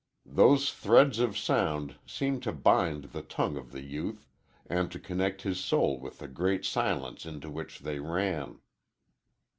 Those threads of sound seemed to bind the tongue of the youth, and to connect his soul with the great silence into which they ran.